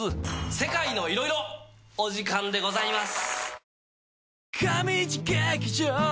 せかいのいろいろお時間でございます。